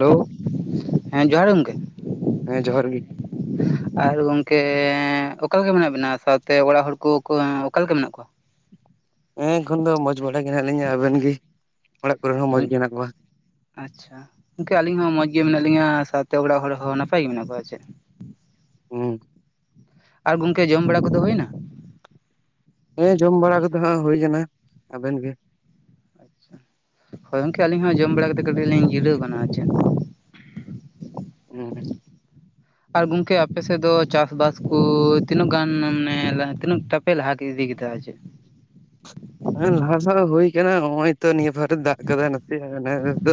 Hello, ᱦᱮᱸ, ᱡᱚᱦᱟᱨ ᱜᱚᱝᱠᱮ ᱾ ᱦᱮᱸ ᱡᱚᱦᱟᱨ ᱜᱤ᱾ [inaudible] ᱟᱨ ᱜᱚᱝᱠᱮ ᱚᱠᱟᱞᱮᱠᱟ ᱢᱮᱱᱟᱜ ᱵᱤᱱᱟ ᱥᱟᱶᱛᱮ ᱚᱲᱟᱜ ᱦᱚᱲ ᱠᱚ ᱚᱠᱟᱞᱮᱠᱟ ᱢᱮᱱᱟᱜ ᱠᱚᱣᱟ? ᱦᱮᱸ ᱮᱠᱷᱚᱱ ᱫᱚ ᱢᱚᱸᱡᱽ ᱵᱟᱲᱟ ᱜᱮ ᱦᱮᱱᱟᱜ ᱞᱤᱧᱟ ᱟᱵᱮᱱ ᱜᱮ? ᱚᱲᱟᱜ ᱠᱚᱨᱮ ᱦᱚᱸ ᱢᱚᱸᱡᱽ ᱜᱮ ᱦᱮᱱᱟᱜ ᱠᱚᱣᱟ᱾ ᱟᱪᱪᱷᱟ, ᱜᱚᱝᱠᱮ ᱟᱹᱞᱤᱧ ᱦᱚᱸ ᱢᱚᱸᱡᱽ ᱜᱮ ᱢᱮᱱᱟᱜ ᱞᱤᱧᱟ ᱥᱟᱶᱛᱮ ᱚᱲᱟᱜ ᱦᱚᱲ ᱦᱚᱸ ᱱᱟᱯᱟᱭ ᱜᱮ ᱢᱮᱱᱟᱜ ᱠᱚᱣᱟ ᱦᱮᱸᱪᱮ᱾ [unintelligible] ᱟᱨ ᱜᱚᱝᱠᱮ ᱡᱚᱢ ᱵᱟᱲᱟ ᱠᱚᱫᱚ ᱦᱩᱭᱮᱱᱟ? ᱦᱮᱸ ᱡᱚᱢ ᱵᱟᱲᱟ ᱠᱟᱛᱮ ᱦᱟᱸᱜ ᱦᱩᱭ ᱠᱟᱱᱟ, ᱟᱵᱮᱱ ᱜᱮ? ᱟᱪᱪᱷᱟ, ᱦᱳᱭ ᱜᱚᱝᱠᱮ ᱟᱞᱤᱧ ᱦᱚᱸ ᱡᱚᱢ ᱵᱟᱲᱟ ᱠᱟᱛᱮᱫ ᱠᱟᱹᱴᱤᱡ ᱞᱤᱧ ᱜᱤᱨᱟᱹᱣ ᱟᱠᱟᱱᱟ ᱟᱨ ᱪᱮᱫ ᱾ [inaudible] ᱟᱨ ᱜᱚᱝᱠᱮ ᱟᱯᱮ ᱥᱮᱫ ᱫᱚ ᱪᱟᱥ ᱵᱟᱥ ᱠᱚ ᱛᱤᱱᱟᱹᱜ ᱜᱟᱱ ᱢᱟᱱᱮ ᱞᱟᱦᱟ ᱛᱤᱱᱟᱹᱝ ᱴᱟᱜ ᱯᱮ ᱞᱟᱦᱟ ᱤᱫᱤ ᱠᱮᱫᱟ ᱟᱨ ᱪᱮᱫ? ᱟᱞᱮ ᱞᱟᱦᱟ ᱫᱚ ᱦᱟᱸᱜ ᱦᱳᱭ ᱠᱟᱱᱟ, ᱦᱚᱸᱜ-ᱚᱭ ᱛᱚ ᱱᱤᱭᱟᱹ ᱯᱟᱨᱮ ᱫᱟᱜ ᱠᱟᱫᱟᱭ ᱱᱟᱥᱮᱭᱟᱜ [inaudible] ᱫᱚ,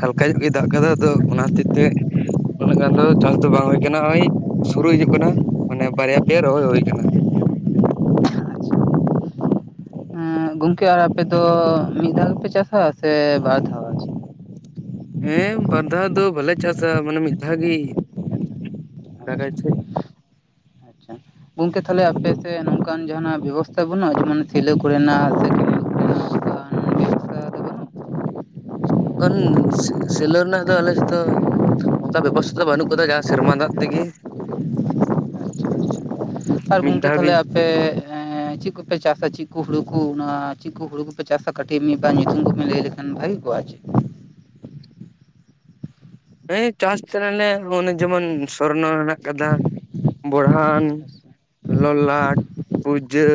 ᱦᱟᱞᱠᱟ ᱧᱚᱜ ᱜᱮᱭ ᱫᱟᱜ ᱠᱟᱫᱟ ᱛᱚ ᱚᱱᱟ ᱦᱚᱛᱮᱡ ᱛᱮ ᱩᱱᱟᱹᱜ ᱜᱟᱱ ᱫᱚ ᱪᱟᱥ ᱫᱚ ᱵᱟᱝ ᱦᱳᱭ ᱠᱟᱱᱟ, ᱳᱭ ᱥᱩᱨᱩ ᱦᱤᱡᱩᱜ ᱠᱟᱱᱟ ᱢᱟᱱᱮ ᱵᱟᱨᱭᱟ ᱯᱮᱭᱟ ᱨᱚᱦᱚᱭ ᱦᱳᱭ ᱠᱟᱱᱟ᱾ ᱦᱮᱸ ᱜᱚᱝᱠᱮ ᱟᱨ ᱟᱯᱮ ᱫᱚ ᱢᱤᱫ ᱫᱷᱟᱣ ᱜᱮᱯᱮ ᱪᱟᱥᱟ ᱥᱮ ᱵᱟᱨ ᱫᱷᱟᱣ ᱟᱨ ᱪᱮᱫ? ᱦᱮᱸ ᱵᱟᱨ ᱫᱷᱟᱣ ᱫᱚ ᱵᱟᱞᱮ ᱪᱟᱥᱟ ᱢᱟᱱᱮ ᱢᱤᱫ ᱫᱷᱟᱣ ᱜᱮ, ᱫᱟᱜᱟᱭ ᱥᱮ, ᱟᱪᱪᱷᱟ, ᱜᱚᱝᱠᱮ ᱛᱟᱦᱚᱞᱮ ᱟᱯᱮ ᱥᱮᱱ ᱱᱚᱝᱠᱟᱱ ᱡᱟᱦᱟᱸᱱᱟᱜ ᱵᱮᱵᱚᱥᱛᱷᱟ ᱵᱟᱹᱱᱩᱜᱼᱟ ᱡᱮᱢᱚᱱ ᱥᱤᱞᱳ ᱠᱚ ᱨᱮᱱᱟᱜ ᱥᱮ [inaudible] ᱚᱱᱠᱟᱱ [inaudible] ᱵᱮᱵᱚᱥᱛᱷᱟ ᱫᱚ ᱵᱟᱹᱱᱩᱜ ᱠᱚᱱ ᱥᱮ ᱥᱮᱞᱚ ᱨᱮᱱᱟᱜ ᱫᱚ ᱟᱞᱮ ᱥᱮᱫ ᱫᱚ ᱚᱝᱠᱟ ᱵᱮᱵᱚᱥᱛᱷᱟ ᱫᱚ ᱵᱟᱹᱱᱩᱜ ᱠᱟᱫᱟ ᱡᱟᱦᱟᱸ ᱥᱮᱨᱢᱟ ᱫᱟᱜ ᱛᱮᱜᱮ᱾ ᱟᱪᱪᱷᱟ ᱟᱪᱪᱷᱟ, ᱟᱨ ᱢᱤᱫ ᱜᱚᱝᱠᱮ ᱫᱷᱟᱣ ᱜᱮ ᱛᱟᱦᱚᱞᱮ ᱟᱯᱮ ᱮᱸ ᱪᱮᱫ ᱠᱚᱯᱮ ᱪᱟᱥᱟ, ᱪᱮᱫ ᱠᱚ ᱦᱩᱲᱩ ᱠᱚ ᱚᱱᱟ ᱪᱮᱫ ᱠᱚ ᱦᱩᱲᱩ ᱠᱚᱯᱮ ᱪᱟᱥᱟ ᱠᱟᱹᱴᱤᱡ ᱢᱤᱫ ᱵᱟᱨ ᱧᱩᱛᱩᱢ ᱠᱚ ᱵᱮᱱ ᱞᱟᱹᱭ ᱞᱮ ᱠᱷᱟᱱ ᱵᱷᱟᱹᱜᱤ ᱠᱚᱜᱼᱟ ᱟᱨ ᱪᱮᱫ? ᱦᱮ ᱪᱟᱥ ᱛᱟᱦᱮᱸᱱᱟᱞᱮ ᱚᱱᱮ ᱡᱮᱢᱚᱱ ᱥᱚᱨᱱᱚ ᱦᱮᱱᱟᱜ ᱠᱟᱫᱟ ᱵᱚᱲᱦᱟᱱ, ᱞᱚᱞᱟᱴ, ᱯᱩᱡᱟᱹ,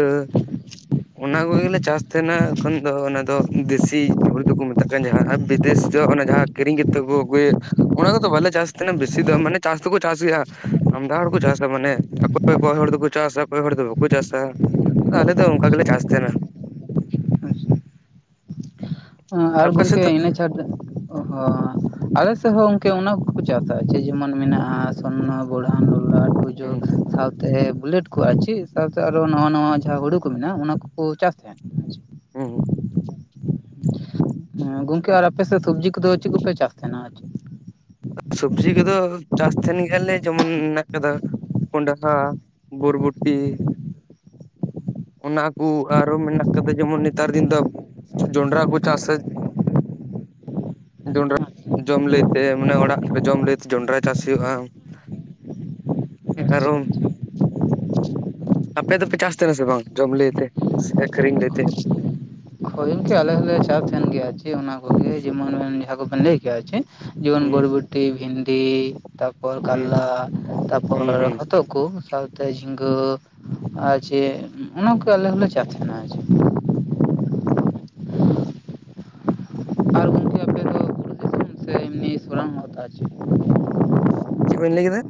ᱚᱱᱟ ᱠᱚᱜᱮᱞᱮ ᱪᱟᱥ ᱛᱟᱦᱮᱸᱱᱟ ᱮᱠᱷᱚᱱ ᱫᱚ ᱚᱱᱟ ᱫᱚ ᱫᱮᱥᱤ ᱦᱩᱲᱩ ᱫᱚᱠᱚ ᱢᱮ ᱛᱟᱜ ᱠᱟᱱ ᱡᱟᱦᱟᱸ ᱟᱨ ᱵᱤᱫᱮᱥ ᱡᱚ ᱚᱱᱟ ᱡᱟᱦᱟᱸ ᱠᱤᱨᱤᱧ ᱠᱟᱛᱮᱫ ᱠᱚ ᱟᱹᱜᱩᱭᱮᱫ ᱚᱱᱟ ᱠᱚᱫᱚ ᱵᱟᱞᱮ ᱪᱟᱥ ᱛᱟᱦᱮᱸᱱᱟ ᱵᱮᱥᱤ ᱫᱚ ᱢᱟᱱᱮ ᱪᱟᱥ ᱫᱚᱠᱚ ᱪᱟᱥ ᱜᱮᱭᱟ ᱟᱢᱫᱟ ᱦᱚᱲ ᱠᱚ ᱪᱟᱥᱟ ᱢᱟᱱᱮ, [inaudible] ᱚᱠᱚᱭ ᱦᱚᱲ ᱫᱚᱠᱚ ᱪᱟᱥᱟ, ᱚᱠᱚᱭ ᱦᱚᱲ ᱫᱚ ᱵᱟᱠᱚ ᱪᱟᱥᱟ᱾ ᱟᱞᱮ ᱫᱚ ᱚᱝᱠᱟ ᱜᱮᱞᱮ ᱪᱟᱥ ᱛᱟᱦᱮᱸᱱᱟ᱾ ᱟᱪᱪᱷᱟ, ᱟᱨ ᱟᱯᱮ ᱥᱮᱫ ᱜᱚᱝᱠᱮ ᱫᱚ ᱤᱱᱟᱹ ᱪᱷᱟ ᱚ ᱦᱚ, ᱟᱞᱮ ᱥᱮᱜ ᱦᱚᱸ ᱜᱚᱝᱠᱮ ᱚᱱᱟ ᱠᱚᱠᱚ ᱪᱟᱥᱟ, ᱪᱮᱫ ᱡᱮᱢᱚᱱ ᱢᱮᱱᱟᱜᱼᱟ ᱥᱚᱨᱱᱚ, ᱵᱚᱲᱦᱟᱱ, ᱞᱚᱞᱟᱴ [inaudible] ᱡᱟᱹ ᱦᱩᱸ ᱥᱟᱶᱛᱮ ᱵᱩᱞᱮᱴ ᱠᱚ ᱟᱨ ᱪᱮᱫ ᱥᱟᱶᱛᱮ ᱟᱨᱚ ᱱᱟᱣᱟ ᱱᱟᱣᱟ ᱡᱟᱦᱟᱸ ᱦᱩᱲᱩ ᱠᱚ ᱢᱮᱱᱟᱜᱼᱟ ᱚᱱᱟ ᱠᱚᱠᱚ ᱪᱟᱥ ᱛᱟᱦᱮᱸᱫ᱾ ᱦᱩᱸ ᱦᱩᱸ᱾ [inaudible] ᱜᱚᱝᱠᱮ ᱟᱨ ᱟᱯᱮ ᱥᱮᱫ ᱥᱚᱵᱽᱡᱤ ᱠᱚᱫᱚ ᱪᱮᱫ ᱠᱚᱯᱮ ᱪᱟᱥ ᱛᱟᱦᱮᱸᱱᱟ ᱟᱨ ᱪᱮᱫ? ᱥᱚᱵᱽᱡᱤ ᱠᱚᱫᱚ ᱪᱟᱥ ᱛᱟᱦᱮᱸᱱ ᱜᱮᱭᱟᱞᱮ ᱡᱮᱢᱚᱱ ᱢᱮᱱᱟᱜᱮ ᱠᱟᱫᱟ, ᱠᱚᱸᱰᱟᱦᱟ, ᱵᱚᱨᱵᱚᱴᱤ, ᱚᱱᱟ ᱠᱩ ᱟᱨᱚ ᱢᱮᱱᱟᱜ ᱠᱟᱫᱟ ᱡᱮᱢᱚᱱ ᱱᱮᱛᱟᱨ ᱫᱤᱱ ᱫᱚ ᱡᱚ ᱡᱚᱸᱰᱽᱨᱟ ᱠᱚ ᱪᱟᱥᱟ, ᱡᱚᱸᱰᱽᱨᱟ ᱡᱚᱢ ᱞᱟᱹᱭᱛᱮ ᱢᱟᱱᱮ ᱚᱲᱟᱜ ᱨᱮ ᱡᱚᱢ ᱞᱟᱹᱭ ᱛᱮ ᱡᱚᱸᱰᱨᱟ ᱪᱟᱥ ᱦᱩᱭᱩᱜᱼᱟ᱾ ᱦᱮᱸ ᱟᱪᱪᱷᱟ ᱟᱨᱚᱢ ᱟᱪᱪᱷᱟ᱾ ᱟᱯᱮ ᱫᱚᱯᱮ ᱪᱟᱥ ᱛᱟᱦᱮᱸᱱᱟ ᱥᱮ ᱵᱟᱝ, ᱡᱚᱢ ᱞᱟᱹᱭ ᱛᱮ ᱥᱮ ᱟᱹᱠᱷᱨᱤᱧ ᱞᱟᱹᱭᱛᱮ? ᱦᱳᱭ ᱜᱚᱝᱠᱮ ᱟᱞᱮ ᱦᱚᱸ ᱞᱮ ᱪᱟᱯ ᱛᱟᱦᱮᱸᱱ ᱜᱮᱭᱟ ᱟᱨ ᱪᱮᱜ ᱚᱱᱟ ᱠᱚᱜᱮ ᱡᱮᱢᱚᱱ ᱵᱮᱱ ᱡᱟᱦᱟᱸ ᱠᱚᱵᱮᱱ ᱞᱟᱹᱭ ᱠᱮᱜ-ᱟ ᱟᱨ ᱪᱮᱜ, ᱡᱮᱢᱚᱱ ᱦᱩᱸ ᱵᱚᱨᱵᱚᱴᱤ, ᱵᱷᱤᱱᱰᱤ, ᱛᱟᱯᱚᱨ ᱦᱩᱸ ᱠᱟᱞᱞᱟ, ᱛᱟᱯᱚᱨ ᱦᱩᱸ ᱦᱩᱸ ᱦᱚᱛᱚᱜ ᱠᱚ ᱥᱟᱶᱛᱮ ᱡᱷᱤᱜᱟᱹ ᱟᱨ ᱪᱮᱜ ᱚᱱᱟ ᱠᱚᱜᱮ ᱟᱞᱮ ᱦᱚᱸᱱᱞᱮ ᱪᱟᱥ ᱛᱟᱦᱮᱸᱱᱟ ᱟᱨ ᱪᱮᱜ᱾ ᱟᱨ ᱩᱱ ᱥᱮ ᱮᱢᱚᱱᱤ [inaudible] ᱪᱮᱫ ᱵᱮᱱ ᱞᱟᱹᱭ ᱠᱮᱫᱟ?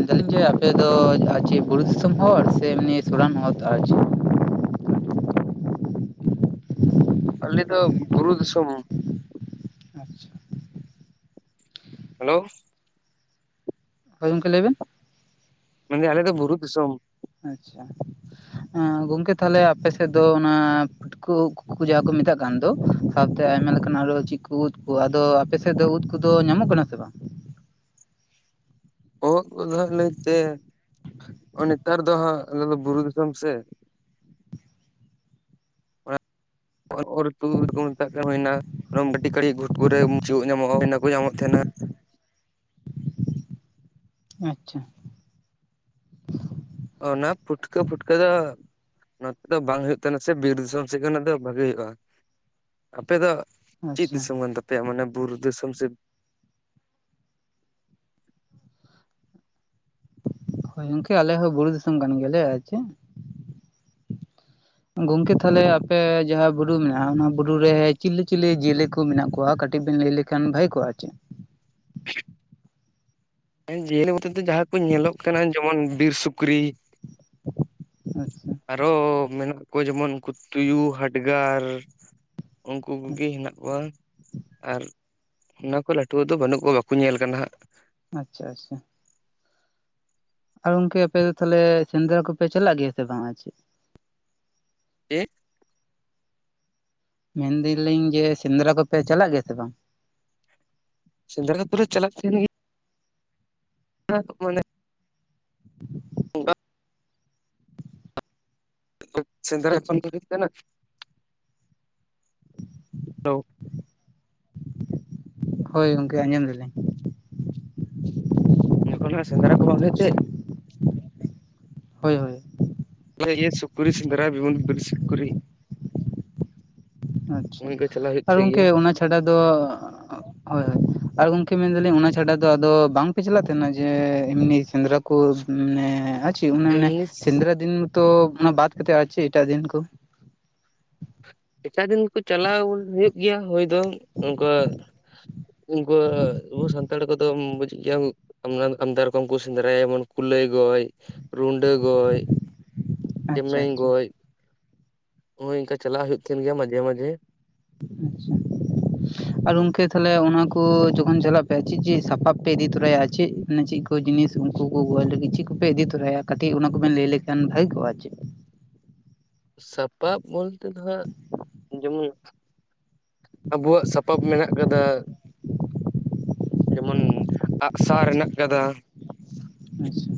ᱢᱮᱱ ᱮᱫᱟᱞᱤᱧ ᱡᱮ, ᱟᱯᱮᱫ ᱫᱚ ᱟᱨ ᱪᱮᱫ ᱵᱩᱨᱩ ᱫᱤᱥᱚᱢ ᱦᱚᱲ ᱥᱮ ᱮᱢᱱᱤ ᱥᱚᱨᱟᱱ [unintelligible] ᱟᱨ ᱪᱮᱫ? [inaudible] ᱟᱞᱮ ᱫᱚ ᱵᱩᱨᱩ ᱫᱤᱥᱚᱢ᱾ ᱟᱪᱪᱷᱟ ᱦᱮᱞᱳ᱾ ᱦᱳᱭ ᱜᱚᱢᱠᱮ ᱞᱟᱹᱭᱵᱮᱱ᱾ ᱢᱮᱱᱫᱟᱹᱧ ᱟᱞᱮ ᱫᱚ ᱵᱩᱨᱩ ᱫᱤᱥᱚᱢ᱾ [unintelligible] ᱜᱚᱝᱠᱮ ᱛᱟᱦᱞᱮ ᱟᱯᱮᱥᱮᱫ ᱫᱚ ᱚᱱᱟ [unintelligible] ᱡᱟᱦᱟᱸᱠᱚ ᱢᱮᱛᱟᱜ ᱠᱟᱱ ᱫᱚ, ᱥᱟᱶᱛᱮ ᱟᱭᱢᱟ ᱞᱮᱠᱟᱱ ᱟᱨᱚ ᱪᱮᱫ ᱠᱚ ᱩᱫᱽ ᱟᱫᱚ ᱟᱯᱮᱥᱮᱫ ᱫᱚ ᱩᱫᱽ ᱠᱚᱫᱚ ᱧᱟᱢᱚᱜ ᱠᱟᱱᱟ ᱥᱮ ᱵᱟᱝ? ᱵᱚᱦᱚᱜ ᱠᱚᱫᱚ ᱦᱟᱸᱜ ᱞᱟᱹᱭᱛᱮ ᱱᱮᱛᱟᱨ ᱫᱚ ᱦᱟᱸᱜ ᱟᱞᱮ ᱫᱚ ᱵᱩᱨᱩ ᱫᱤᱥᱚᱢ ᱥᱮ᱾ ᱚᱨ ᱛᱩ ᱩᱫᱽ ᱠᱚ ᱢᱮᱛᱟᱜ ᱠᱟᱱ ᱦᱩᱭᱱᱟ᱾ [unintelligible] ᱜᱩᱴᱠᱩ ᱨᱮ ᱢᱩᱪᱤ ᱩᱫᱽ ᱧᱟᱢᱚᱜᱼᱟ ᱦᱩᱭᱱᱟ ᱠᱚ ᱧᱟᱢᱚᱜ ᱛᱟᱦᱮᱱᱟ᱾ ᱟᱪᱪᱷᱟ᱾ ᱚᱱᱟ ᱯᱷᱩᱴᱠᱟᱹ ᱯᱷᱩᱴᱠᱟᱹ ᱫᱚ ᱱᱚᱛᱮ ᱫᱚ ᱵᱟᱝ ᱦᱩᱭᱩᱜ ᱛᱟᱦᱮᱱᱟ ᱥᱮ, ᱵᱤᱨ ᱫᱤᱥᱚᱢ ᱥᱮᱫᱜᱮ ᱚᱱᱟ ᱫᱚ ᱵᱷᱟᱹᱜᱤ ᱦᱩᱭᱩᱜᱼᱟ᱾ ᱟᱯᱮ ᱫᱚ ᱪᱤᱫ ᱟᱪᱪᱷᱟ ᱫᱤᱥᱚᱢ ᱠᱟᱱ ᱛᱟᱯᱮᱭᱟ? ᱢᱟᱱᱮ ᱵᱩᱨᱩ ᱫᱤᱥᱚᱢ ᱥᱮ ᱦᱳᱭ ᱜᱚᱝᱠᱮ ᱟᱞᱮ ᱦᱚᱸ ᱵᱩᱨᱩ ᱫᱤᱥᱚᱢ ᱠᱟᱱ ᱜᱮᱭᱟᱞᱮ ᱟᱨ ᱪᱮ ᱜᱚᱝᱠᱮ ᱛᱟᱦᱚᱞᱮ ᱟᱯᱮ ᱡᱟᱦᱟᱸ ᱵᱩᱨᱩ ᱢᱮᱱᱟᱜᱼᱟ, ᱚᱱᱟ ᱵᱩᱨᱩᱨᱮ ᱪᱤᱞᱤ ᱪᱤᱞᱤ ᱡᱤᱭᱟᱹᱞᱤ ᱠᱚ ᱢᱮᱱᱟᱜ ᱠᱚᱣᱟ? ᱠᱟᱹᱴᱤᱡ ᱠᱟᱹᱴᱤᱡ ᱵᱤᱱ ᱞᱟᱹᱭ ᱞᱮᱠᱷᱟᱱ ᱵᱷᱟᱹᱜᱮ ᱠᱚᱜᱼᱟ ᱪᱮᱫ? ᱡᱤᱭᱟᱹᱞᱤ ᱢᱚᱛᱚ ᱫᱚ ᱡᱟᱦᱟᱸ ᱠᱚ ᱧᱮᱞᱚᱜ ᱠᱟᱱᱟ ᱡᱮᱢᱚᱱ ᱵᱤᱨ ᱥᱩᱠᱨᱤ᱾ ᱟᱪᱪᱷᱟ᱾ ᱟᱨᱚ ᱢᱮᱱᱟᱜ ᱠᱚᱣᱟ ᱡᱮᱢᱚᱱ ᱩᱱᱠᱩ ᱛᱩᱭᱩ ᱦᱟᱰᱜᱟᱨ ᱩᱱᱠᱩ ᱠᱚᱜᱮ ᱦᱮᱱᱟᱜ ᱠᱚᱣᱟ, ᱟᱨ ᱚᱱᱟ ᱠᱚ ᱞᱟᱹᱴᱩ ᱫᱚ ᱵᱟᱹᱱᱩᱜ ᱠᱚᱣᱟ ᱵᱟᱠᱚ ᱧᱮᱞ ᱠᱟᱱᱟ ᱦᱟᱸᱜ᱾ ᱟᱪᱪᱷᱟ ᱟᱪᱪᱷᱟ᱾ ᱟᱨ ᱜᱚᱝᱠᱮ ᱟᱯᱮ ᱫᱚ ᱛᱟᱦᱚᱞᱮ ᱥᱮᱸᱫᱽᱨᱟ ᱠᱚᱯᱮ ᱪᱟᱞᱟᱜ ᱜᱮᱭᱟ ᱥᱮ ᱵᱟᱝᱼᱟ ᱪᱮᱫ? [unintelligible] ᱢᱮᱱᱫᱟᱞᱤᱧ ᱡᱮ, ᱥᱮᱸᱫᱽᱨᱟ ᱠᱚᱯᱮ ᱪᱟᱞᱟᱜ ᱜᱮᱭᱟ ᱥᱮ ᱵᱟᱝ? ᱥᱮᱸᱫᱽᱨᱟ [unintelligible] ᱯᱩᱨᱟ ᱨᱮ ᱪᱟᱞᱟᱜ ᱛᱟᱦᱮᱱ ᱜᱮ᱾ [inaudible] ᱢᱚᱱᱮ [inaudible] [inaudible] ᱥᱮᱸᱫᱽᱨᱟ ᱠᱷᱚᱱ [inaudible] [inaudible] ᱦᱳᱭ ᱜᱚᱝᱠᱮ ᱟᱸᱡᱚᱢ ᱫᱟᱹᱞᱤᱧ ᱡᱚᱠᱷᱚᱱ ᱦᱟᱸ ᱥᱮᱸᱫᱽᱨᱟ ᱠᱚ ᱵᱟᱝ ᱦᱳᱭᱳᱜ ᱛᱮ ᱦᱳᱭ ᱦᱳᱭ ᱦᱳᱭ [unintelligible] ᱥᱩᱠᱨᱤ ᱥᱮᱸᱫᱽᱨᱟ [inaudible] ᱵᱤᱨ ᱥᱩᱠᱨᱤ ᱟᱪᱪᱷᱟ ᱩᱱᱤ ᱜᱮ ᱪᱟᱞᱟᱜ ᱦᱩᱭᱩᱜ ᱟᱨ ᱛᱟᱦᱮᱸ ᱜᱚᱝᱠᱮ ᱜᱮᱭᱟ ᱚᱱᱟ ᱪᱷᱟᱰᱟ ᱫᱚ ᱦᱳᱭ ᱦᱳᱭ ᱟᱨ ᱜᱚᱢᱠᱮ ᱢᱮᱱᱫᱟᱞᱤᱧ ᱚᱱᱟ ᱪᱷᱟᱰᱟ ᱫᱚ ᱟᱫᱚ ᱵᱟᱝᱯᱮ ᱪᱟᱞᱟᱜ ᱛᱟᱦᱮᱱᱟ ᱡᱮ ᱮᱢᱱᱤ ᱥᱮᱸᱫᱽᱨᱟ ᱠᱩ ᱢᱟᱱᱮ ᱟᱨᱪᱤ ᱚᱱᱮ ᱚᱱᱮ ᱮᱢᱱᱤ ᱥᱮᱸᱫᱽᱨᱟ ᱫᱤᱱ ᱢᱚᱛᱚ ᱚᱱᱟ ᱵᱟᱫᱽ ᱠᱟᱛᱮᱫ ᱟᱨᱪᱤ ᱮᱴᱟᱜ ᱫᱤᱱ ᱠᱩ? ᱮᱴᱟᱜ ᱫᱤᱱ ᱠᱩ ᱪᱟᱞᱟᱣ ᱦᱩᱭᱩᱜ ᱜᱮᱭᱟ ᱦᱳᱭ ᱫᱚ ᱚᱝᱠᱟ ᱚᱝᱠᱟ ᱟᱵᱩ ᱥᱟᱱᱛᱟᱲ ᱠᱚᱫᱚᱢ ᱵᱩᱡᱮ ᱜᱮᱭᱟᱢ [unintelligible] ᱟᱢᱫᱟ ᱨᱚᱠᱚᱢ ᱠᱚ ᱥᱮᱸᱫᱽᱨᱟᱭᱟ ᱡᱮᱢᱚᱱ ᱠᱩᱞᱟᱹᱭ ᱜᱚᱡᱽ ᱨᱩᱸᱰᱟᱹ ᱜᱚᱡᱽ ᱟᱪᱪᱷᱟ ᱪᱮᱢᱮᱧ ᱟᱪᱪᱷᱟ ᱜᱚᱡᱽ ᱦᱳᱭ ᱚᱝᱠᱟ ᱪᱟᱞᱟᱜ ᱦᱩᱭᱩᱜ [unintelligible] ᱜᱮᱭᱟ ᱢᱟᱡᱷᱮ ᱢᱟᱡᱷᱮ ᱟᱪᱪᱷᱟ ᱟᱨ ᱜᱚᱢᱠᱮ ᱛᱟᱦᱞᱮ, ᱚᱱᱟ ᱠᱚ, ᱡᱚᱠᱷᱚᱱ, ᱡᱷᱚᱞᱟᱜ ᱯᱮᱭᱟ, ᱪᱤᱜ ᱪᱤᱜ ᱥᱟᱯᱟᱵ ᱯᱮ, ᱤᱫᱤ ᱛᱚᱨᱟᱭᱟ, ᱟᱨ ᱢᱟᱱᱮ, ᱪᱤᱜ, ᱪᱤᱜ ᱠᱩ ᱡᱤᱱᱤᱥ, ᱩᱱᱠᱩ ᱠᱚ, ᱜᱚᱡ ᱞᱟᱹᱜᱤᱫ, ᱪᱤᱫ ᱠᱚᱯᱮ ᱤᱫᱤ ᱛᱚᱨᱟᱭᱟ, ᱠᱟᱹᱴᱤᱡ ᱚᱱᱟ ᱠᱚᱵᱮᱱ ᱞᱟᱹᱭ, ᱞᱮᱠᱷᱟᱱ ᱵᱷᱟᱹᱜᱤ, ᱠᱚᱜ-ᱟ, ᱪᱤᱫ? ᱥᱟᱯᱟᱵ ᱵᱚᱞᱛᱮ ᱫᱚ ᱦᱟᱸᱜ, ᱡᱮᱢᱚᱱ ᱟᱵᱩᱣᱟᱜ ᱥᱟᱯᱟᱯ, ᱢᱮᱱᱟᱜ ᱟᱠᱟᱫᱟ ᱾ ᱡᱮᱢᱚᱱ, ᱟᱜᱼᱥᱟᱨ ᱦᱮᱱᱟᱜ ᱟᱠᱟᱫᱟ ᱾᱾ ᱟᱪᱪᱷᱟ ᱾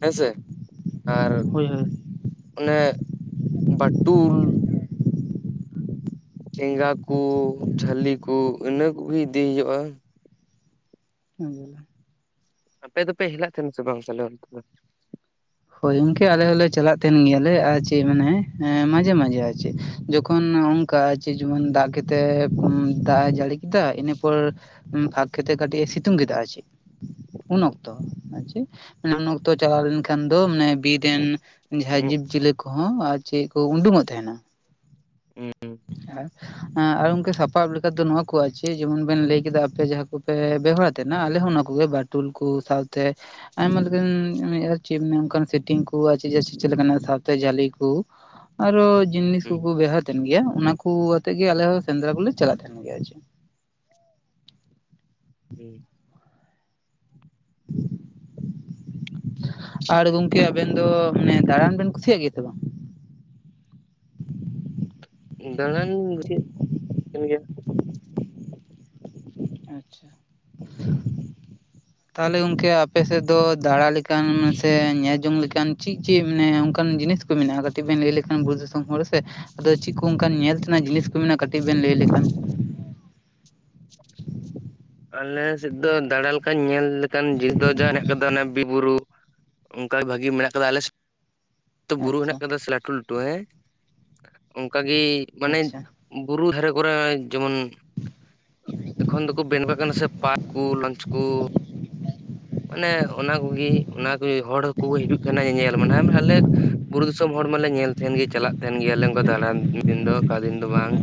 ᱦᱮᱸᱥᱮ, ᱟᱨ ᱦᱳᱭ ᱦᱳᱭ ᱚᱱᱮ, ᱵᱟᱴᱩᱞ ᱴᱷᱮᱸᱜᱟ ᱠᱩ, ᱡᱷᱟᱹᱞᱤ ᱠᱩ, ᱤᱱᱟᱹ ᱠᱚᱜᱤ, ᱤᱫᱤ ᱦᱩᱭᱩᱜ-ᱟ ᱾ ᱚᱼ ᱡᱟᱞᱟ ᱾ ᱟᱯᱮ ᱫᱚᱯᱮ, ᱦᱮᱞᱟ ᱛᱟᱦᱮᱱᱟ, ᱥᱮ ᱵᱟᱝ? ᱛᱟᱦᱞᱮ ᱚᱱᱛᱮ ᱫᱚ ᱦᱳᱭ ᱜᱚᱝᱠᱮ, ᱟᱞᱮ ᱦᱚᱸᱞᱮ ᱪᱟᱞᱟᱜ ᱠᱟᱱ, ᱛᱟᱦᱮᱱ ᱜᱮᱭᱟ ᱞᱮ, ᱟᱨ ᱪᱮᱫ ᱢᱟᱱᱮ, ᱢᱟᱡᱷᱮ ᱢᱟᱡᱷᱮ, ᱟᱨ ᱪᱮᱫ? ᱡᱚᱠᱷᱚᱱ ᱠᱟ ᱪᱮᱜ? ᱡᱮᱢᱚᱱ ᱫᱟᱜ ᱠᱟᱛᱮ, ᱫᱟᱜ ᱮ ᱡᱟᱹᱲᱤ ᱠᱮᱫᱟ, ᱤᱱᱟᱹ ᱯᱚᱨ ᱯᱷᱟᱠ ᱠᱟᱛᱮᱜ, ᱠᱟᱹᱴᱤᱡᱼᱮ, ᱥᱤᱛᱩᱝ ᱠᱮᱫᱟ, ᱟᱨ ᱪᱮᱫ? ᱩᱱ ᱚᱠᱛᱚ, ᱟᱨ ᱪᱤᱜ ᱩᱱ ᱚᱠᱛᱚ, ᱪᱟᱞᱟᱣ ᱞᱮᱱᱠᱷᱟᱱ ᱠᱷᱟᱱ ᱫᱚ, ᱢᱟᱱᱮ ᱵᱤᱨ ᱨᱮᱱ, ᱡᱟᱦᱟᱸᱭ ᱡᱤᱵᱽ ᱡᱤᱭᱟᱹᱞᱤ ᱠᱚᱦᱚᱸ, ᱟᱨ ᱪᱤᱜ ᱠᱚ, ᱩᱰᱩᱝᱚᱜ ᱛᱟᱸᱦᱮᱱᱟ ᱾ ᱦᱩᱸᱻ ᱾ [unintelligible] ᱟᱨ ᱜᱚᱝᱠᱮ, ᱥᱟᱯᱟᱵ ᱞᱮᱠᱟ ᱫᱚ, ᱱᱚᱣᱟ ᱠᱚ, ᱟᱨ ᱪᱮᱫ ᱡᱮᱢᱚᱱ ᱵᱮᱱ ᱞᱟᱹᱭ ᱠᱮᱫᱟ, ᱟᱯᱮ ᱡᱟᱦᱟᱸ ᱠᱚᱯᱮ, ᱵᱮᱣᱦᱟᱨᱟ ᱾ ᱛᱮᱱᱟ, ᱟᱞᱮ ᱦᱚᱸ, ᱚᱱᱟ ᱠᱚᱜᱮ, ᱵᱟᱴᱩᱞ ᱠᱚ ᱥᱟᱶᱛᱮ ᱟᱭᱢᱟ ᱞᱮᱠᱟᱱ, ᱟᱨ ᱪᱤᱜ? ᱢᱟᱱᱮ, ᱚᱱᱠᱟᱱ ᱥᱮᱴᱤᱝ ᱠᱚ, ᱟᱨ ᱪᱤᱫ ᱞᱮᱠᱟᱱᱟᱜ ᱥᱟᱶᱛᱮ, ᱡᱷᱟᱹᱞᱤ ᱠᱩ ᱟᱨᱚ, ᱡᱤᱱᱤᱥ ᱦᱩᱸ ᱠᱩᱠᱩ, ᱵᱮᱣᱦᱟᱨ ᱛᱟᱦᱮᱱ ᱜᱮᱭᱟ ᱾ ᱚᱱᱟ ᱠᱩ, ᱟᱛᱮᱜ ᱜᱮ, ᱟᱞᱮ ᱦᱚᱸ, ᱥᱮᱸᱫᱽᱨᱟ ᱠᱩᱞᱮ, ᱪᱟᱞᱟᱜ ᱛᱟᱦᱮᱱ ᱜᱮᱭᱟ, ᱟᱨ ᱪᱤᱜ? ᱦᱩᱸᱻ ᱾ [inaudible] ᱟᱨ ᱜᱚᱝᱠᱮ, ᱟᱵᱮᱱ ᱫᱚ, ᱢᱟᱱᱮ ᱫᱟᱬᱟᱱ ᱵᱮᱱ, ᱠᱩᱥᱤᱭᱟᱜ ᱜᱮᱭᱟ ᱥᱮ, ᱵᱟᱝ? ᱫᱟᱬᱟᱱᱤᱧ ᱠᱩᱥᱤᱭᱟᱜ ᱠᱟᱱ ᱜᱮᱭᱟ ᱾ ᱟᱪᱪᱷᱟ, ᱛᱟᱦᱞᱮ ᱜᱚᱝᱠᱮ, ᱟᱯᱮ ᱥᱮᱫ ᱫᱚ, ᱫᱟᱲᱟ ᱞᱮᱠᱟ ᱞᱮᱠᱟᱱ, ᱥᱮ ᱧᱮᱞ ᱡᱚᱝ ᱞᱮᱠᱟᱱ ᱪᱤᱜ ᱪᱤᱜ, ᱢᱟᱱᱮ ᱚᱱᱠᱟᱱ ᱡᱤᱱᱤᱥ ᱠᱩ, ᱢᱮᱱᱟᱜᱼᱟ, ᱠᱟᱹᱴᱤᱡ ᱵᱮᱱ, ᱞᱟᱹᱭ ᱞᱮᱠᱷᱟᱱ, ᱵᱩᱨᱩ ᱫᱤᱥᱚᱢ ᱦᱚᱲ ᱥᱮ, ᱟᱫᱚ ᱪᱤᱫ ᱠᱩ, ᱚᱱᱠᱟᱱ ᱧᱮᱞ ᱛᱮᱱᱟᱜ ᱡᱤᱱᱤᱥ ᱠᱚ, ᱢᱮᱱᱟᱜ-ᱟ ᱾ ᱠᱟᱹᱴᱤᱡ ᱵᱮᱱ, ᱞᱟᱹᱭ ᱞᱮᱠᱷᱟᱱ ᱟᱞᱮ ᱥᱮᱫ ᱫᱚ, ᱫᱟᱬᱟ ᱞᱮᱠᱟᱱ, ᱧᱮᱞ ᱞᱮᱠᱟᱱ, ᱡᱤᱱᱤᱥ ᱫᱚ, ᱡᱟ ᱦᱮᱱᱟᱜ ᱟᱠᱟᱫᱟ, ᱚᱱᱟ ᱵᱤᱨ ᱵᱩᱨᱩ ᱚᱱᱠᱟ ᱜᱮ, ᱵᱷᱟᱜᱤ ᱢᱮᱱᱟᱜ ᱟᱠᱟᱫᱟ, ᱟᱞᱮ ᱥᱮᱫ ᱾ ᱛᱚ, ᱵᱩᱨᱩ ᱟᱪᱪᱷᱟ ᱦᱮᱱᱟᱜ ᱟᱠᱟᱫᱟ, ᱥᱮ ᱞᱟᱹᱴᱩ ᱞᱟᱹᱴᱩ, ᱦᱮᱸ ᱾ ᱚᱱᱠᱟᱜᱮ ᱢᱟᱱᱮ, ᱟᱪᱪᱷᱟ ᱵᱩᱨᱩ ᱫᱷᱟᱨᱮ ᱠᱚᱨᱮ, ᱡᱮᱢᱚᱱ ᱮᱠᱷᱚᱱ ᱫᱚᱠᱚ, ᱵᱮᱱ ᱠᱟᱱᱟ ᱥᱮ, ᱯᱟᱨᱠ ᱠᱩ, ᱞᱚᱧᱪ ᱠᱩ ᱢᱟᱱᱮ, ᱚᱱᱟ ᱠᱚᱜᱮ, ᱚᱱᱟ ᱠᱚᱜᱮ, ᱦᱚᱲ ᱦᱚᱸ ᱠᱚ, ᱦᱤᱡᱩᱜ ᱠᱟᱱᱟ ᱧᱮᱧᱮᱞ ᱾ ᱢᱟᱱᱮ ᱟᱞᱮ ᱵᱩᱨᱩ ᱫᱤᱥᱚᱢ, ᱦᱚᱲ ᱢᱟᱞᱮ ᱧᱮᱞ ᱛᱟᱦᱮᱸᱱ ᱜᱮ, ᱪᱟᱞᱟᱜ ᱛᱟᱦᱮᱸᱱ ᱜᱮᱭᱟ ᱞᱮ, ᱚᱱᱠᱟᱱ ᱫᱟᱬᱟᱱ ᱢᱤᱫᱫᱤᱱ ᱫᱚ, ᱚᱠᱟ ᱫᱤᱱ ᱫᱚ ᱵᱟᱝ ᱾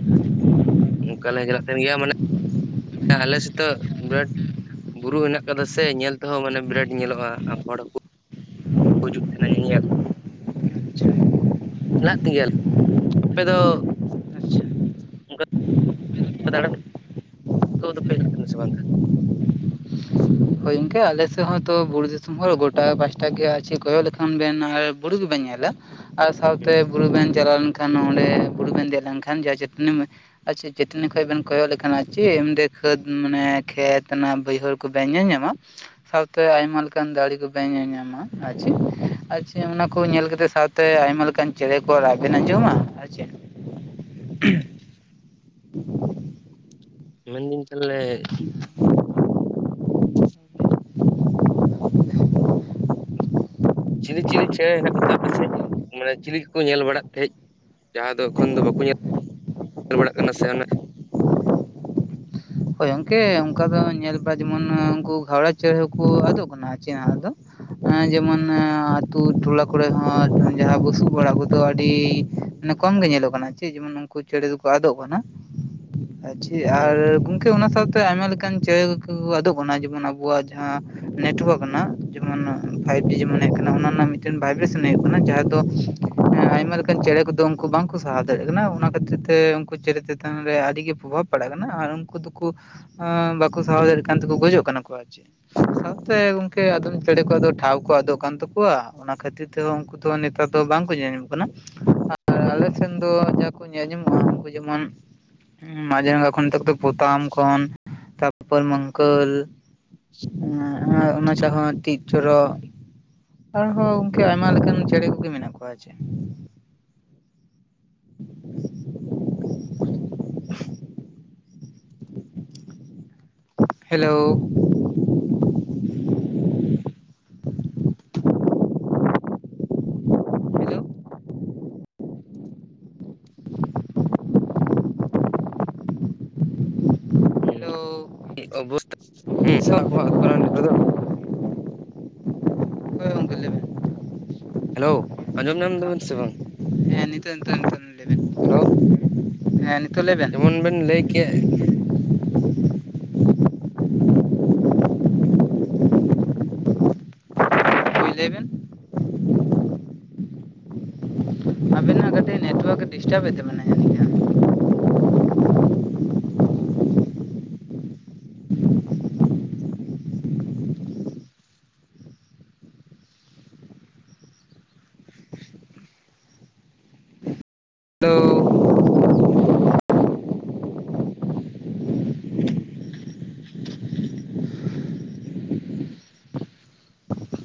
ᱚᱱᱠᱟ ᱞᱮ, ᱪᱟᱞᱟᱜ ᱛᱟᱦᱮᱸᱱ ᱜᱮᱭᱟ, ᱢᱟᱱᱮ, [inaudible] ᱟᱞᱮ ᱥᱮᱫ ᱛᱚ, ᱵᱴ [unintelligible] ᱵᱩᱨᱩ ᱦᱮᱱᱟᱜ ᱟᱠᱟᱫᱟ, ᱥᱮ ᱧᱮᱞ ᱛᱮᱦᱚᱸ, ᱢᱟᱱᱮ ᱵᱴ ᱵᱤᱨᱟᱴ ᱧᱮᱞᱚᱜᱼᱟ, ᱾ᱦᱚᱲ ᱦᱚᱸᱠᱚ ᱠᱚ, ᱦᱤᱡᱩᱜ ᱛᱟᱦᱮᱸᱱᱟ, ᱧᱮᱧᱮᱞ ᱾ ᱟᱪᱪᱷᱟ ᱪᱟᱞᱟᱜ ᱛᱤᱱ ᱜᱮᱭᱟ ᱞᱮ, ᱟᱯᱮ ᱫᱚ ᱟᱪᱪᱷᱟ ᱛ [inaudible] [unintelligible] ᱱᱤᱛᱳᱜ ᱫᱚᱯᱮ, [unintelligible] ᱠᱟᱱᱟ ᱥᱮ ᱵᱟᱝᱟ ᱦᱳᱭ ᱜᱚᱝᱠᱮ, ᱟᱞᱮ ᱥᱮᱫ ᱦᱚᱸ ᱛᱚ, ᱵᱩᱨᱩ ᱫᱤᱥᱚᱢ, ᱦᱚᱲ ᱜᱚᱴᱟ ᱯᱟᱦᱴᱟ ᱜᱮ, ᱟᱨ ᱪᱮᱫ ᱠᱚᱭᱚᱜ ᱞᱮᱠᱷᱟᱱ ᱵᱮᱱ, ᱟᱨ ᱵᱩᱨᱩ ᱜᱮᱵᱮᱱ ᱧᱮᱞᱟ ᱾ ᱟᱨ ᱥᱟᱸᱣᱛᱮ, ᱦᱩᱸ ᱵᱩᱨᱩ ᱵᱮᱱ ᱪᱟᱞᱟᱣ ᱞᱮᱱᱠᱷᱟᱱ, ᱚᱸᱰᱮ ᱵᱩᱨᱩ ᱵᱮᱱ ᱫᱮᱡ ᱞᱮᱱᱠᱷᱟᱱ, ᱡᱟᱦᱟᱸ ᱪᱟᱹᱴᱱᱤ ᱟᱪᱪᱷᱟ ᱪᱟᱹᱴᱱᱤ ᱠᱷᱚᱡ ᱵᱮᱱ ᱠᱚᱭᱚᱜ ᱞᱮᱠᱷᱟᱱ ᱪᱮ [unintelligible] ᱠᱷᱮᱛ ᱢᱟᱱᱮ ᱠᱷᱮᱛ ᱛᱟᱱᱟ ᱵᱟᱹᱭᱦᱟᱹᱲ ᱠᱚ ᱵᱮᱱ ᱧᱮ ᱧᱟᱢ [unintelligible] ᱥᱟᱸᱣᱛᱮ ᱟᱭᱢᱟ ᱞᱮᱠᱟᱱ ᱫᱟᱲᱮ ᱠᱚᱯᱮ ᱧᱮᱞ ᱧᱟᱢᱟ ᱟᱨ ᱪᱮᱤ ᱟᱨ ᱪᱮᱤ ᱚᱱᱟ ᱠᱚ ᱧᱮᱞ ᱠᱟᱛᱮᱜ ᱥᱟᱸᱣ ᱛᱮ ᱟᱭᱢᱟ ᱞᱮᱠᱟᱱ ᱪᱮᱸᱬᱮ ᱠᱚ ᱨᱟᱜ ᱵᱤᱱ ᱟᱸᱡᱚᱢᱟ ᱟᱨ ᱪᱮᱜ᱾ [unintelligible] ᱢᱮᱱ [unintelligible] ᱛᱟᱦᱞᱮ, ᱪᱤᱞᱤ ᱪᱤᱞᱤ ᱪᱮᱸᱬᱮ ᱦᱮᱱᱟᱜ ᱠᱚᱛᱮ ᱟᱯᱮ ᱥᱮᱜ ᱢᱟᱱᱮ ᱪᱤᱞᱤ ᱠᱚᱠᱚ ᱧᱮᱞ ᱵᱟᱲᱟᱜ ᱛᱟᱦᱮᱸᱡ? ᱡᱟᱦᱟᱸ ᱫᱚ ᱮᱠᱷᱚᱱ ᱫᱚ ᱵᱟᱠᱚ [inaudible] ᱵᱟᱲᱟᱜ ᱠᱟᱱᱟ ᱥᱮ ᱟᱱᱜ ᱦᱳᱭ ᱜᱚᱝᱠᱮ ᱚᱱᱠᱟ ᱫᱚ ᱧᱮᱞ ᱵᱟ ᱡᱮᱢᱚᱱ ᱮ ᱩᱱᱠᱩ ᱜᱷᱟᱣᱲᱟ ᱪᱮᱸᱬᱮ ᱦᱚᱸᱠᱩ ᱟᱫᱚᱜ ᱠᱟᱱᱟ ᱪᱮᱣᱟ ᱟᱫᱚ᱾ ᱮ ᱡᱮᱢᱚᱱ ᱟᱹᱛᱩ ᱴᱚᱞᱟ ᱠᱚᱨᱮ ᱦᱚᱸ ᱡᱟᱦᱟᱸ ᱵᱩᱥᱩᱵ ᱚᱲᱟᱜ ᱠᱚᱫᱚ ᱟᱹᱰᱤ, ᱮᱱᱮ ᱠᱚᱢ ᱜᱮ ᱧᱮᱞᱚᱜ ᱠᱟᱱᱟ ᱪᱮᱤ ᱡᱮᱢᱚᱱ ᱩᱱᱠᱩ ᱪᱮᱸᱬᱮ ᱫᱩᱠᱚ ᱟᱫᱚᱜ ᱠᱟᱱᱟ ᱟᱨ ᱪᱮᱤ ᱦᱩᱸ ᱟᱨ ᱠᱟᱹ ᱚᱱᱟ ᱥᱟᱸᱣᱛᱮ ᱟᱭᱢᱟ ᱞᱮᱠᱟᱱ ᱪᱮᱸᱬᱮ [unintelligible] ᱟᱫᱚᱜ ᱠᱟᱱᱟ ᱡᱮᱢᱚᱱ ᱟᱵᱚᱣᱟᱜ ᱡᱟᱦᱟᱸ ᱱᱮᱴᱳᱣᱟ ᱠᱟᱱᱟ᱾ ᱡᱮᱢᱚᱱ ᱚᱱᱟ ᱯᱷᱟᱭᱤᱵ ᱡᱤ ᱡᱮᱢᱚᱱ ᱮ ᱠᱟᱱᱟ ᱚᱱᱟ ᱨᱮᱱᱟᱜ ᱢᱤᱫᱴᱮᱱ ᱵᱷᱟᱭᱵᱨᱮᱥᱮᱱ ᱦᱩᱭᱩᱜ ᱠᱟᱱᱟ ᱡᱟᱦᱟᱸ ᱫᱚ ᱟᱭᱢᱟ ᱞᱮᱠᱟᱱ ᱪᱮᱸᱬᱮ ᱠᱤᱫᱚ, ᱠᱩ ᱵᱟᱝᱠᱩ ᱥᱟᱦᱟᱣ ᱫᱟᱲᱮᱭᱟᱜ ᱠᱟᱱᱟ ᱚᱱᱟ ᱠᱷᱟᱹᱛᱤᱨ ᱛᱮ ᱩᱱᱠᱩ ᱪᱮᱸᱬᱮ ᱛᱮᱛᱟᱱ ᱨᱮ ᱟᱹᱰᱤ ᱜᱮ ᱯᱨᱚᱵᱷᱟᱵᱽ ᱯᱟᱲᱟᱜ ᱠᱟᱱᱟ ᱟᱨ ᱩᱱᱠᱩ ᱫᱩᱠ ᱠᱩ ᱟᱻ ᱵᱟᱠᱚ ᱥᱟᱦᱟᱣ ᱫᱟᱲᱮᱭᱟᱜ ᱠᱟᱱ ᱛᱮᱠᱚ ᱜᱚᱡᱚᱜ ᱠᱟᱱᱟ ᱠᱚ ᱟᱨ ᱪᱮ᱾ ᱥᱟᱸᱣᱛᱮ ᱜᱚᱝᱠᱮ ᱟᱫᱚᱢ ᱪᱮᱸᱬᱮ ᱠᱚᱣᱟᱜ ᱫᱚ ᱴᱷᱟᱸᱣ ᱠᱚ ᱟᱫᱚᱜ ᱠᱟᱱ ᱛᱟᱠᱩᱣᱟ᱾ ᱚᱱᱟ ᱠᱷᱟᱹᱛᱤᱨ ᱛᱮᱦᱚᱸ ᱩᱱᱠᱩ ᱫᱚ ᱱᱮᱛᱟᱨ ᱫᱚ ᱵᱟᱝᱠᱚ ᱧᱮ ᱧᱟᱢᱚᱜ ᱠᱟᱱᱟ᱾ [inaudible] ᱟᱞᱮ ᱥᱮᱱ ᱫᱚ ᱡᱟᱦᱟᱸ ᱠᱚ ᱧᱮ ᱧᱟᱢᱚᱜᱼᱟ ᱩᱱᱠᱩ ᱡᱮᱢᱚᱱ, [unintelligible] [unintelligible] ᱯᱚᱛᱟᱢ ᱠᱷᱚᱱ ᱛᱟᱨᱯᱚᱨ ᱢᱟᱝᱠᱟᱹᱞ, [unintelligible] ᱚᱱᱟ [unintelligible] ᱴᱤᱜ ᱴᱚᱨᱚᱜ, ᱟᱨᱦᱚᱸ ᱚᱝᱠᱮ ᱟᱭᱢᱟ ᱞᱮᱠᱟᱱ ᱪᱮᱸᱬᱮ ᱠᱚᱜᱮ ᱢᱮᱱᱟᱜ ᱠᱚᱣᱟ ᱪᱮ᱾ [unintelligible] ᱦᱮᱞᱳ, ᱦᱮᱞᱳ ᱦᱩᱸ ᱦᱮᱞᱳ [inaudible] ᱦᱳᱭ, ᱜᱚᱝᱠᱮ ᱞᱟᱹᱭ ᱵᱮᱱ᱾ ᱦᱮᱞᱳ ᱟᱸᱡᱚᱢ ᱧᱟᱢ ᱫᱟ ᱥᱮ ᱵᱟᱝ? ᱦᱮᱸ ᱱᱤᱛᱚᱜ ᱱᱤᱛᱚᱜ ᱱᱤᱛᱚᱜ [inaudible] ᱦᱮᱞᱳ, ᱦᱮᱸ ᱱᱤᱛᱚᱜ ᱞᱟᱹᱭ ᱡᱮᱢᱚᱱ ᱵᱮᱱ ᱞᱟᱹᱭ ᱠᱮᱜ, [unintelligible] ᱞᱮ ᱵᱮᱱ? ᱟᱹᱵᱤᱱᱟᱜ ᱠᱟᱹᱴᱤᱡ ᱱᱮᱴᱳᱣᱟᱠ ᱮ ᱰᱤᱥᱴᱟᱵ ᱮᱫ ᱛᱟᱹᱵᱤᱱᱟᱭ [inaudible] ᱦᱮᱞᱳ